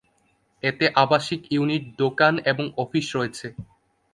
এতে আবাসিক ইউনিট, দোকান এবং অফিস রয়েছে।